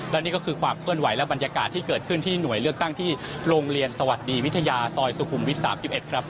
และนี่ก็คือความเคลื่อนไหวและบรรยากาศที่เกิดขึ้นที่หน่วยเลือกตั้งที่โรงเรียนสวัสดีวิทยาซอยสุขุมวิท๓๑ครับ